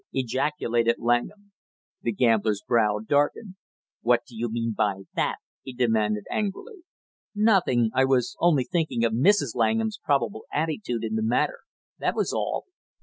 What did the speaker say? ejaculated Langham. The gambler's brow darkened. "What do you mean by that?" he demanded angrily. "Nothing, I was only thinking of Mrs. Langham's probable attitude in the matter, that was all."